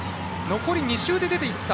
残り２周で出ていった。